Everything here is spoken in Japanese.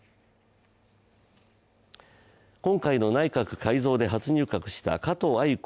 今回の内閣改造で初入閣した加藤鮎子